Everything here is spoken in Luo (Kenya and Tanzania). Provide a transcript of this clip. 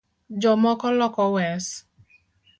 Jo moko Loko wes